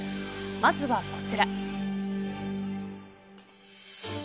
まずはこちら。